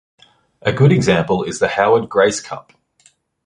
A good example is The Howard 'Grace' Cup.